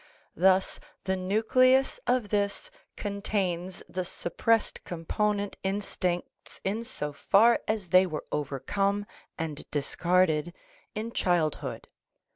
Thus, the nucleus of this contains the sup pressed component instincts in so far as they were overcome and discarded in childhood.